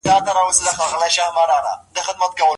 د خپلو ذوق مطابق کتاب انتخاب کړئ.